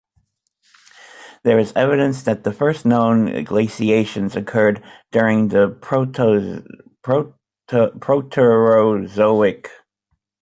There is evidence that the first known glaciations occurred during the Proterozoic.